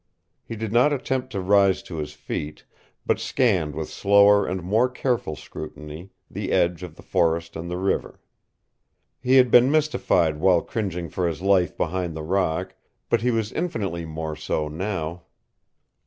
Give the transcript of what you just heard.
He did not attempt to rise to his feet, but scanned with slower and more careful scrutiny the edge of the forest and the river. He had been mystified while cringing for his life behind the rock, but he was infinitely more so now.